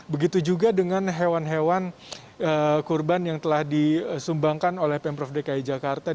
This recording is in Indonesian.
begitu juga dengan hewan hewan kurban yang telah disumbangkan oleh pemprov dki jakarta